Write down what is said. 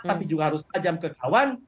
tapi juga harus tajam ke kawan